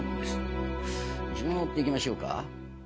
順を追っていきましょうか。